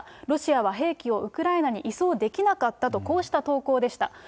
ロシアは兵器をウクライナに移送できなかったと、こうした投稿でした。